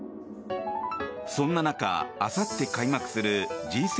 そんな中、あさって開幕するＧ７